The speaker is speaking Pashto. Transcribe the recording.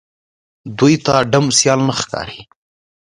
دوی ته ډم سيال نه ښکاري